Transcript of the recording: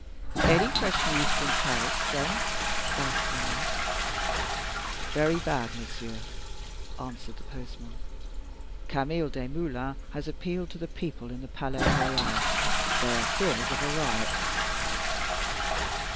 "Any fresh news from Paris, friend?" asked Lomaque. "Very bad, monsieur," answered the postman. "Camille Desmoulins has appealed to the people in the Palais Royal; there are fears of a riot."